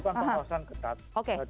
kami melakukan penelusuran ketat